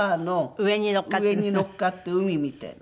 上に乗っかって海見てるの。